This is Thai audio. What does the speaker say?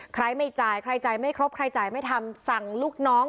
ไม่จ่ายใครจ่ายไม่ครบใครจ่ายไม่ทำสั่งลูกน้อง